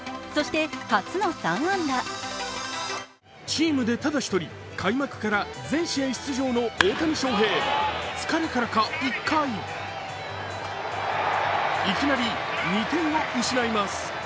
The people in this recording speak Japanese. チームでただ１人、開幕から全試合出場の大谷翔平、疲れからか１回いきなり、２点を失います。